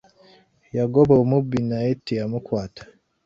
Yagoba omubbi naye teyamukwata.